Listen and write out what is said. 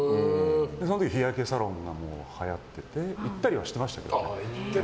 その時日焼けサロンもはやってて行ったりはしてましたよ。